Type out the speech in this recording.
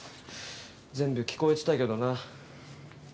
全部聞こえてたけどな。